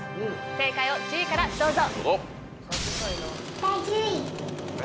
正解を１０位からどうぞ。